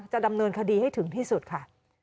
จะดำเนินคดีให้ถึงที่สุดค่ะ